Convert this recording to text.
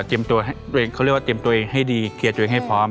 ตัวเองเขาเรียกว่าเตรียมตัวเองให้ดีเคลียร์ตัวเองให้พร้อม